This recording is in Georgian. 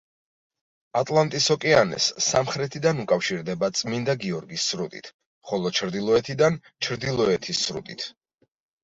ატლანტის ოკეანეს სამხრეთიდან უკავშირდება წმინდა გიორგის სრუტით, ხოლო ჩრდილოეთიდან ჩრდილოეთის სრუტით.